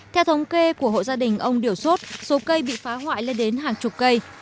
theo thống kê của hộ gia đình ông điều sốt số cây bị phá hoại lên đến hàng chục cây